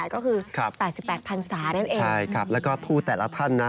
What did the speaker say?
ก็คือ๘๘พันศานั่นเองใช่ครับแล้วก็ทูตแต่ละท่านนะ